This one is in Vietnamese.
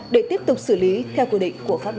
để tiếp tục xử lý theo quy định của pháp luật